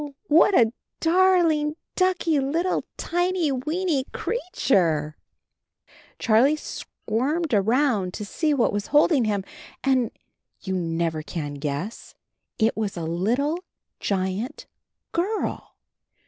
What a darling, ducky, little tiny, weeny creature !" Charhe squirmed around to see what was holding him, and — you never can guess — it was a little giant girl.